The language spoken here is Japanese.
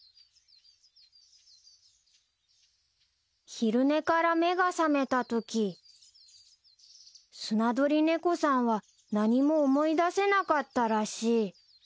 ［昼寝から目が覚めたときスナドリネコさんは何も思い出せなかったらしい］